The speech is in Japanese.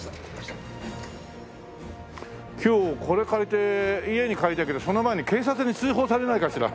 今日これ借りて家に帰りたいけどその前に警察に通報されないかしら。